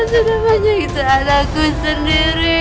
sudah banyak yang menyiksa anakku sendiri